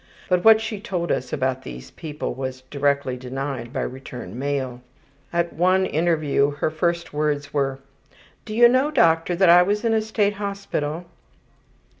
But what she told us about these new people was directly denied by return mail. At one interview her first words were, ``Do you know now, doctor, that I was in a State hospital?''